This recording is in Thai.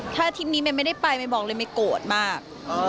ถ้าทริปนี้แม่ไม่ได้ไปแม่บอกเลยแม่โกรธมาก